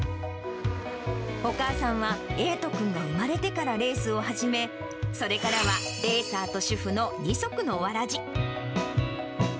お母さんは瑛斗くんが生まれてからレースを始め、それからはレーサーと主婦の二足のわらじ。